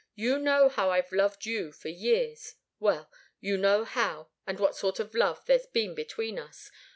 You know how I've loved you for years well you know how, and what sort of love there's been between us.